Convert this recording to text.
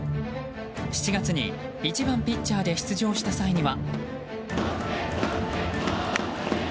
７月に１番ピッチャーで出場した際には。